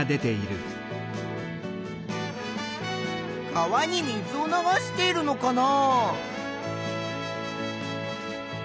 川に水を流しているのかな？